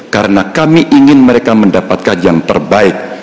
karena kami ingin mereka mendapatkan yang terbaik